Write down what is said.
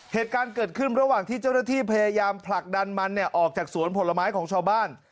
เหตุการณ์เกิดขึ้นระหว่างที่เจ้าหน้าที่พยายามผลักดันมันออกจากสวนผลไม้ของชาวบ้าน